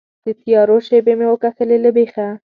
د تیارو شیبې مې وکښلې له بیخه